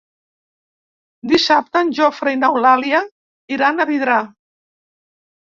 Dissabte en Jofre i n'Eulàlia iran a Vidrà.